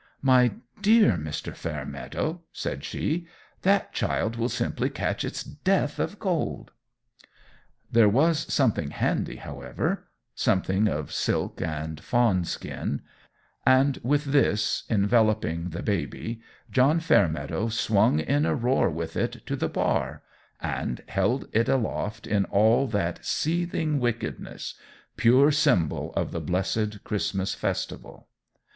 "My dear Mr. Fairmeadow," said she, "that child will simply catch its death of cold!" There was something handy, however something of silk and fawn skin and with this enveloping the baby John Fairmeadow swung in a roar with it to the bar and held it aloft in all that seething wickedness pure symbol of the blessed Christmas festival.